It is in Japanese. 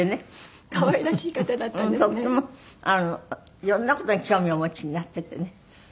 いろんな事に興味をお持ちになっててね。